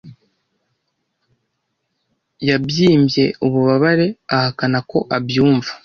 yabyimbye ububabare ahakana ko abyumva